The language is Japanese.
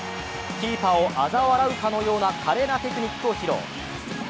キーパーをあざ笑うかのような華麗なテクニックを披露。